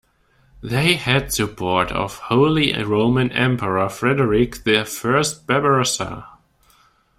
They had the support of Holy Roman Emperor Frederick the First Barbarossa.